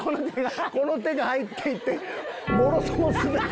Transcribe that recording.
この手が入っていって。